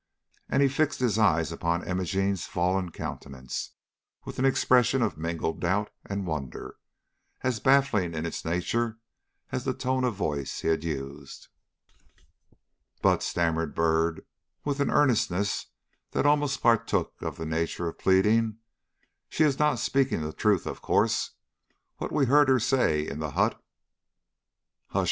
And he fixed his eyes upon Imogene's fallen countenance, with an expression of mingled doubt and wonder, as baffling in its nature as the tone of voice he had used. "But," stammered Byrd, with an earnestness that almost partook of the nature of pleading, "she is not speaking the truth, of course. What we heard her say in the hut " "Hush!"